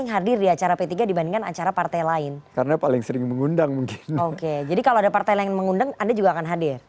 jadi kalau ada partai lain yang mengundang anda juga akan hadir